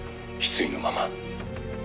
失意のまま」